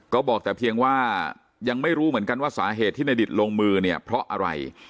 ก็บอกแต่เพียงว่ายังไม่รู้เหมือนกันว่าสาเหตุที่ในดิตลงมือเนี่ยเพราะอะไร